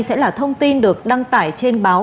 sẽ là thông tin được đăng tải trên báo